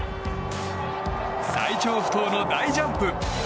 最長不倒の大ジャンプ！